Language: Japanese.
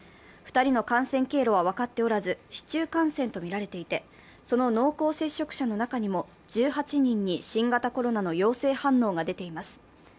２人の感染経路は分かっておらず市中感染とみられていてその濃厚接触者の中にも１８人に新型コロナの陽性反応が出ています。